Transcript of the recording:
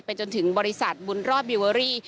จนถึงบริษัทบุญรอดบิเวอรี่